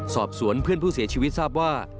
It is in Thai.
สอบสวนเพื่อนผู้เสียชีวิตทราบว่า